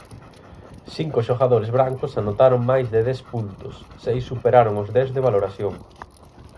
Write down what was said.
Cinco xogadores brancos anotaron máis de dez puntos, seis superaron os dez de valoración.